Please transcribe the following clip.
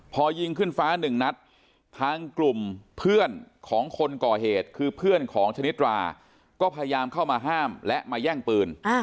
พอยิงขึ้นฟ้าหนึ่งนัดทางกลุ่มเพื่อนของคนก่อเหตุคือเพื่อนของชนิดราก็พยายามเข้ามาห้ามและมาแย่งปืน